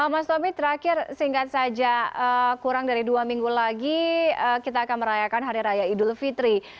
mas tommy terakhir singkat saja kurang dari dua minggu lagi kita akan merayakan hari raya idul fitri